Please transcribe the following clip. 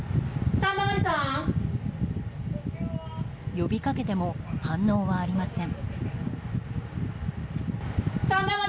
呼びかけても反応はありません。